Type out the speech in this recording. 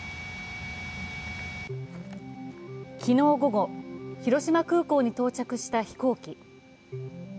昨日午後、広島空港に到着した飛行機。